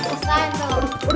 bisa pak arun